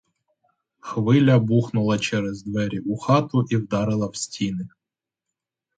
Хвиля бухнула через двері у хату і вдарила в стіни.